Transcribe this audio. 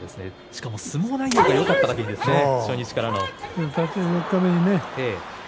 しかも相撲内容がよかっただけに、初日からのですね。